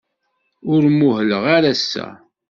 Ur muhleɣ ara ass-a.